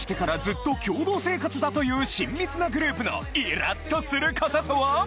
１親密なグループのイラッ！とする事とは？